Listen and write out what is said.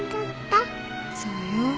そうよ。